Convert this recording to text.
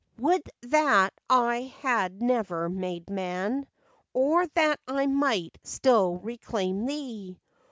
Would that I had never made man, Or that I might still reclaim thee!